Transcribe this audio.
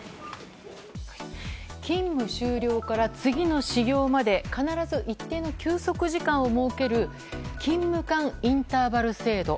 勤務終了から次の始業まで必ず一定の休息時間を設ける勤務間インターバル制度。